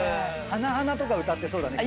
花とか歌ってそうだね。